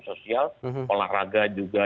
sosial olahraga juga